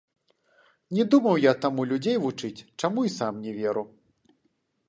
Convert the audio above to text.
Не думаў я таму людзей вучыць, чаму і сам не веру.